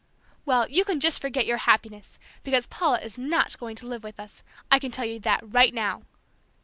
"Well, you can just forget your 'happiness,' because Paula is not going to live with us. I can tell you that right now!"